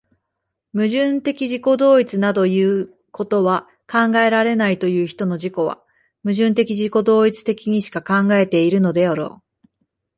矛盾的自己同一などいうことは考えられないという人の自己は、矛盾的自己同一的にしか考えているのであろう。